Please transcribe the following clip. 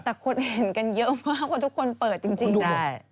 แต่คนเห็นกันเยอะมากว่าทุกคนเปิดจริงนะ